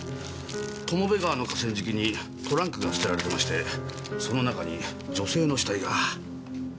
友部川の河川敷にトランクが捨てられてましてその中に女性の死体が。